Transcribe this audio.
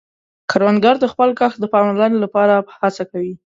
کروندګر د خپل کښت د پاملرنې له پاره هڅه کوي